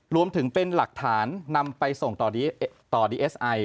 รวมถึงเป็นหลักฐานนำไปส่งต่อดีเอสไอ